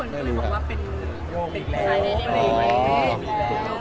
ทุกคนก็เลยบอกว่าเป็น